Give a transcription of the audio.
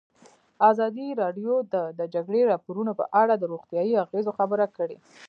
ازادي راډیو د د جګړې راپورونه په اړه د روغتیایي اغېزو خبره کړې.